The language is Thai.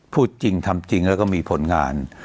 พูดจริงทำจริงแล้วก็มีผลงาน